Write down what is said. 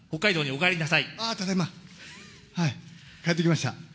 帰ってきました。